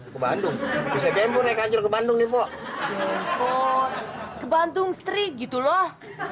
ke bandung bisa tempur naik ajar ke bandung nirpo ke bandung street gitu loh